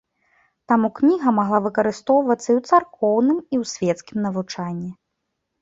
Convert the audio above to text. Таму кніга магла выкарыстоўвацца і ў царкоўным, і ў свецкім навучанні.